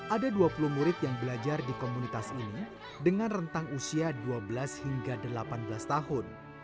ada dua puluh murid yang belajar di komunitas ini dengan rentang usia dua belas hingga delapan belas tahun